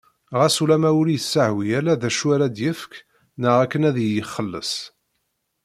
Ɣas ulamma ur yesɛwi ara d acu ara d-yefk neɣ akken ad iyi-ixelles.